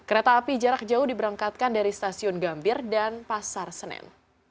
kereta api jarak jauh diberangkatkan dari stasiun gambir dan pasar senen